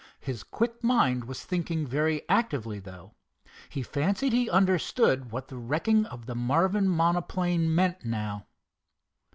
His quick mind was thinking very actively, though. He fancied he understood what the wrecking of the Marvin monoplane meant now.